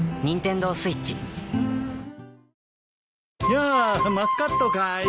やあマスカットかい？